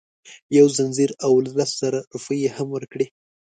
یو ځنځیر او لس زره روپۍ یې هم ورکړې.